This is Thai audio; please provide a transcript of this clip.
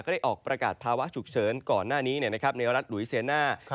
ได้ออกประกาศภาวะฉุกเฉินก่อนหน้านี้ในรัฐหลุยเซียน่า